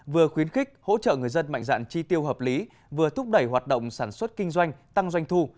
vừa khuyến khích hỗ trợ người dân mạnh dạn chi tiêu hợp lý vừa thúc đẩy hoạt động sản xuất kinh doanh tăng doanh thu